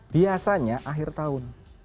biasanya akhir tahun